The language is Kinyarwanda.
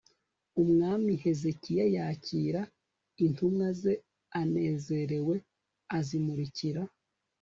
umwami hezekiya yakira intumwa ze anezerewe, azimurikira